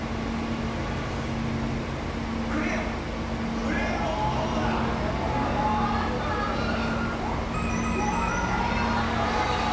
クレヨンは６位です。